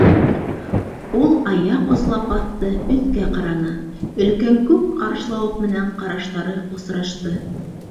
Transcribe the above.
Ул аяҡ ослап баҫты, өҫкә ҡараны —өлкән күк ҡарышлауыҡ менән ҡараштары осрашты.